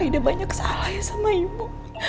ide banyak salah ya sama ibu